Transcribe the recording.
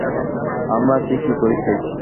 আমরা আছি কী করিতে?